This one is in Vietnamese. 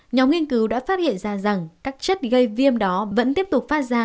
nhóm nghiên cứu đã phát hiện ra rằng các chất gây viêm đó vẫn tiếp tục phát ra